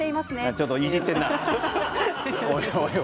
ちょっといじっとんな。